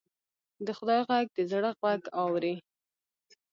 د خدای غږ د زړه غوږ اوري